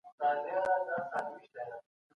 محتکرین یوازي د خپلو شخصي ګټو په لټه کي دي.